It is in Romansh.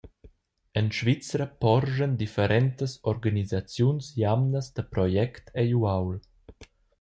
En Svizra porschan differentas organisaziuns jamnas da project egl uaul.